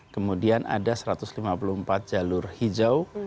kemudian ada satu ratus lima puluh empat jalur hijau